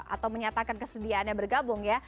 atau menyatakan kesediaannya bergabung ya